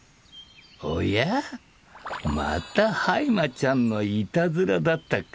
おやまたハイマちゃんのいたずらだったか。